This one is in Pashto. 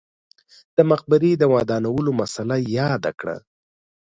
د مقبرې د ودانولو مسئله یاده کړه.